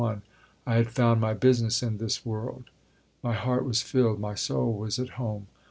1) I had found my business in this world. My heart was filled. My soul was at home.